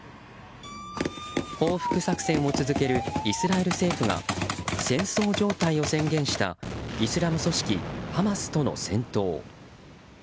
報復作戦を続けるイスラエル政府が戦争状態を宣言したイスラム組織ハマスとの戦闘。